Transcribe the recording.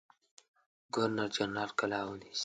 ګورنر جنرال قلا ونیسي.